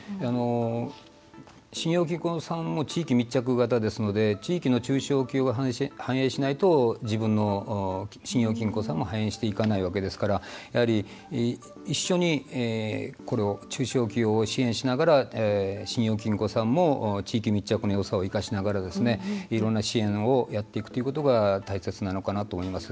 信用金庫さんも地域密着型ですので地域の中小企業が繁栄しないと自分の信用金庫さんも繁栄していかないわけですからやはり、一緒に中小企業を支援しながら信用金庫さんも地域密着のよさを生かしながらいろんな支援をやっていくということが大切なのかなと思います。